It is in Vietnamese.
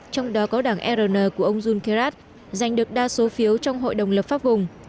trong đó có đảng ern của ông junqueirat giành được đa số phiếu trong hội đồng lập pháp vùng